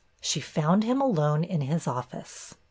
She found him alone in his office.